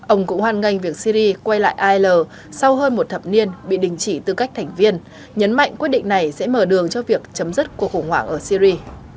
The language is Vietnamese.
ông cũng hoan nghênh việc syri quay lại al sau hơn một thập niên bị đình chỉ tư cách thành viên nhấn mạnh quyết định này sẽ mở đường cho việc chấm dứt cuộc khủng hoảng ở syri